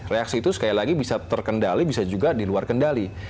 reaksi itu sekali lagi bisa terkendali bisa juga diluar kendali